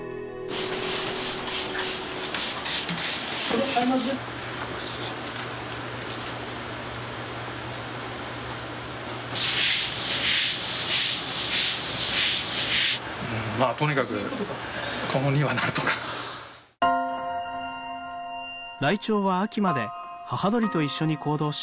ライチョウは秋まで母鳥と一緒に行動し大きくなる。